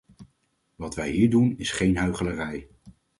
Wat wij hier doen, is geen huichelarij.